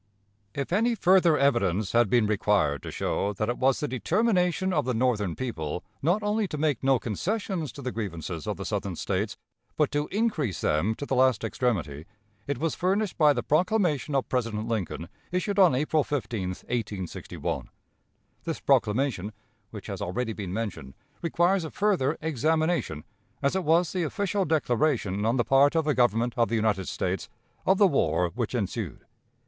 If any further evidence had been required to show that it was the determination of the Northern people not only to make no concessions to the grievances of the Southern States, but to increase them to the last extremity, it was furnished by the proclamation of President Lincoln, issued on April 15, 1861. This proclamation, which has already been mentioned, requires a further examination, as it was the official declaration, on the part of the Government of the United States, of the war which ensued.